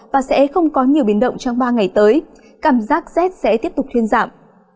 và sẽ không có nhiều biến động trong ba ngày tới cảm giác rét sẽ tiếp tục thuyên giảm